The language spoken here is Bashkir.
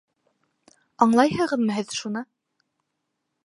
Аңлайһығыҙмы һеҙ шуны?